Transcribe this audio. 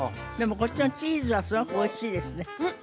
こっちのチーズはすごくおいしいですねんっ！